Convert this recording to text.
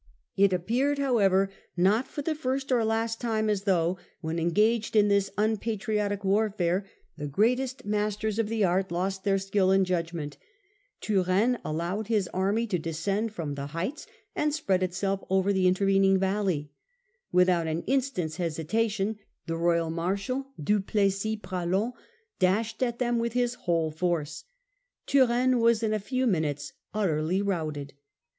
It appeared, how ever, not for the first or last time, as though when engaged in this unpatriotic warfare the greatest masters of the art lost their skill and judgment. Turenne allowed „,„ his army to descend from the heights and Rethei, Dec. spread itself over the intervening valley. *5*1650. Without an instant's hesitation the royal marshal, Du Plessis Praslin, dashed at them with his whole force. Turenne was in a few minutes utterly routed.